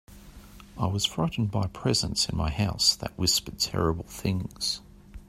I was frightened by a presence in my house that whispered terrible things.